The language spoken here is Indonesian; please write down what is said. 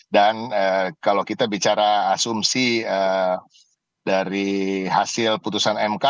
kalau kita bicara asumsi dari hasil putusan mk